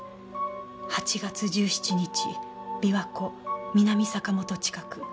「８月１７日琵琶湖南阪本近く」